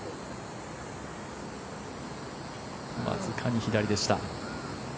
わずかに左でした。